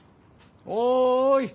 おい！